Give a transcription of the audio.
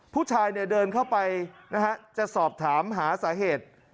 ผู้ชายเดินเข้าไปจะสอบถามหาสาเหตุ